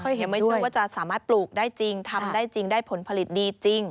ยังไม่เชื่อว่าจะสามารถปลูกได้จริงทำได้จริงได้ผลผลิตดีจริง